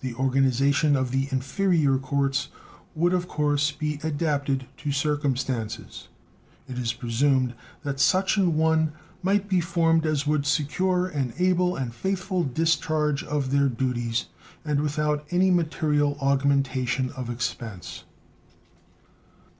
The organization of the inferior courts would of course be adapted to circumstances. It is presumed that such an one might be formed as would secure an able and faithful discharge of their duties, and without any material augmentation of expense.